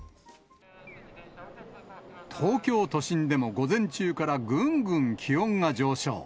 東京都心でも午前中から、ぐんぐん気温が上昇。